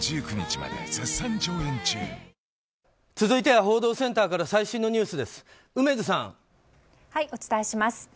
続いては報道センターから最新のニュースです。